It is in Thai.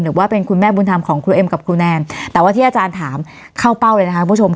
หรือว่าเป็นคุณแม่บุญธรรมของครูเอ็มกับครูแนนแต่ว่าที่อาจารย์ถามเข้าเป้าเลยนะคะคุณผู้ชม